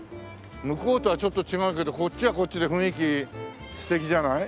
向こうとはちょっと違うけどこっちはこっちで雰囲気素敵じゃない？